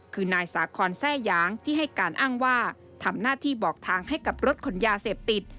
คือนายสาคอนแทร่หยางที่ให้การอ้างว่าทำหน้าที่บอกทางให้กับรถขนยาเสพติด